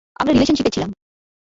আমরা রিলেশনশিপে ছিলাম।